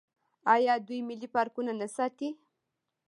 آیا دوی ملي پارکونه نه ساتي؟